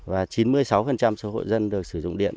và chín mươi sáu số hộ dân được sử dụng điện